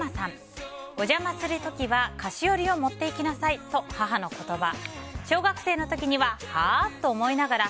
お邪魔する時は菓子折りを持っていきなさいと母の言葉。